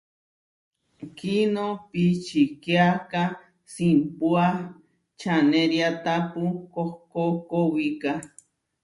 Kiʼnó pičikiáka simpuá čaneriátapu kohkókowika.